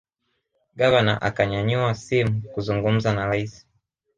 gavana akanyanyua simu kuzungumza na raisi